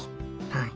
はい。